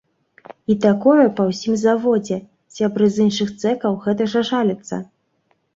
І такое па ўсім заводзе, сябры з іншых цэхаў гэтак жа жаляцца.